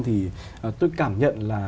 thì tôi cảm nhận là